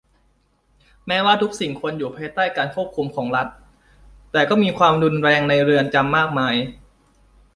แม้ว่าทุกสิ่งควรอยู่ภายใต้การควบคุมของรัฐ แต่ก็มีความรุนแรงในเรือนจำมากมาย